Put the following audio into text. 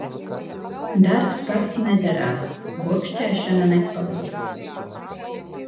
Darbs pats nedarās. Burkšķēšana nepalīdz.